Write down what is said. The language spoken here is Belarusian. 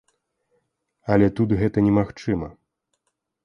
Але тут гэта немагчыма.